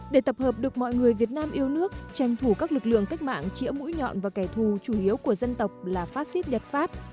để tập hợp được mọi người việt nam yêu nước tranh thủ các lực lượng cách mạng chỉa mũi nhọn và kẻ thù chủ yếu của dân tộc là phát xít nhật pháp